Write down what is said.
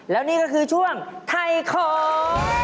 แล้วนี่ก็คือช่วงไทยของ